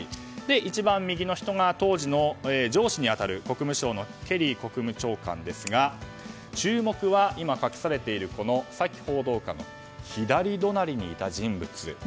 一番右の人が当時の上司に当たる国務省のケリー国務長官ですが注目は、今、隠されているサキ報道官の左隣にいた人物。